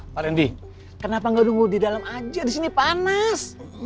pak randy kenapa gak nunggu di dalam aja di sini panas